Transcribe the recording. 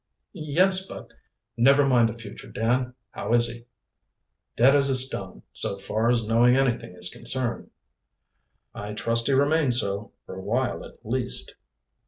"Yes, but " "Never mind the future, Dan. How is he?" "Dead as a stone, so far as knowing anything is concerned." "I trust he remains so, for a while at least."